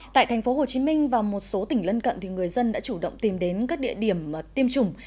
tại tp hcm và một số tỉnh lân cận người dân đã chủ động tìm đến các địa điểm tiêm chủng